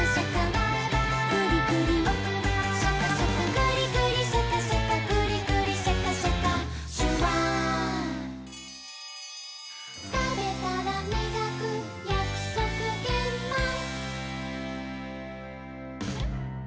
「グリグリシャカシャカグリグリシャカシャカ」「シュワー」「たべたらみがくやくそくげんまん」